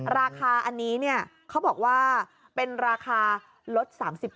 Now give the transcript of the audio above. ราคาอันนี้เนี่ยเขาบอกว่าเป็นราคาลด๓๐บาท